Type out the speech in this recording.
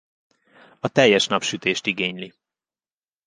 A teljes napsütést igényeli.